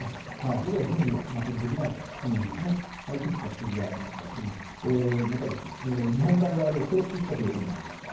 それでは準備が全くできないではないかとかいくつか指摘がありましたしまた、日本海側で消失したという例もありました。